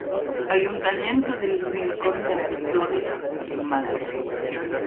Ayuntamiento del Rincón de la Victoria- Málaga.